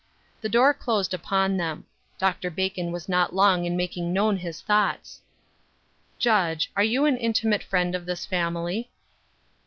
The door closed upon them. Dr. Bacon was not long in making known his thoughts ;" Judge, are you an intimate friend of this family?"